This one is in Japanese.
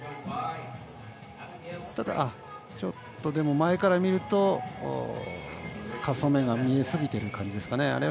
ただ、前から見ると滑走面が見えすぎている感じですかね。